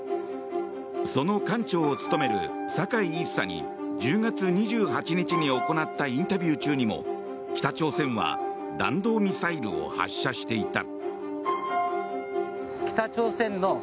その艦長を務める坂井１佐に１０月２８日に行ったインタビュー中にも北朝鮮は弾道ミサイルを発射していた。